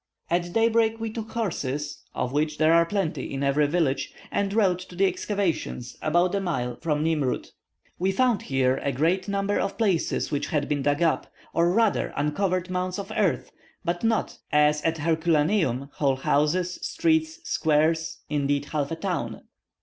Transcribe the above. At daybreak we took horses (of which there are plenty in every village), and rode to the excavations, about a mile from Nimroud. We found here a great number of places which had been dug up, or rather, uncovered mounds of earth, but not, as at Herculaneum, whole houses, streets, squares, indeed, half a town.